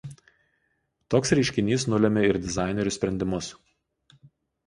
Toks reiškinys nulemia ir dizainerių sprendimus.